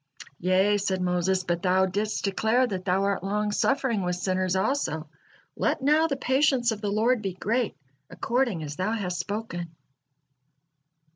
"Yea," said Moses, "but Thou didst declare that Thou art long suffering with sinners also, let now the patience of the Lord be great according as Thou has spoken."